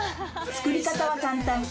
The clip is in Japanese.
作り方は簡単。